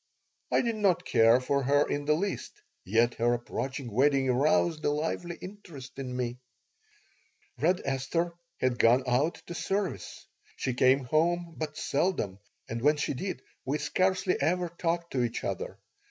I did not care for her in the least, yet her approaching wedding aroused a lively interest in me Red Esther had gone out to service. She came home but seldom, and when she did we scarcely ever talked to each other.